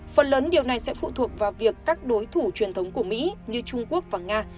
phần lớn điều này sẽ phụ thuộc vào việc các đối thủ truyền thống của mỹ như trung quốc và nga